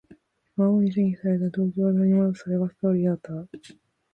魔王に占拠された東京を取り戻す。それがストーリーだった。